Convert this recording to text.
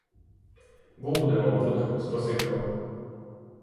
Будемо, будемо, спасибі вам.